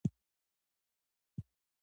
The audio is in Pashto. زه ځم خو ژمنه کوم